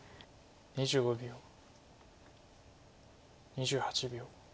２８秒。